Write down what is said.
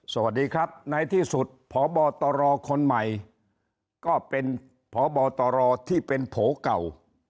สวัสดีครับในที่สุดพบตรคนใหม่ก็เป็นพบตรที่เป็นโผเก่า